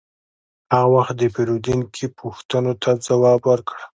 هر وخت د پیرودونکي پوښتنو ته ځواب ورکړه.